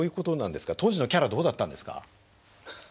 当時のキャラどうだったんですか？